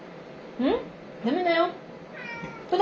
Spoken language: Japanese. うん？